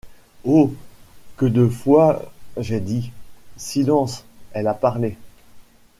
Oh! que de fois j’ai dit: Silence ! elle a parlé !